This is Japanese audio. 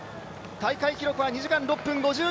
大会記録は２時間６分５４秒。